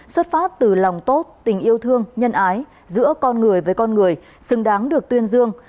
xuất phát từ lòng tốt tình yêu thương nhân ái giữa con người với con người xứng đáng được tuyên dương